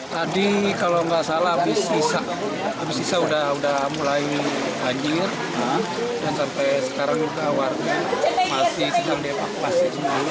tadi kalau nggak salah abis isa udah mulai banjir dan sampai sekarang juga warga masih sedang dievakuasi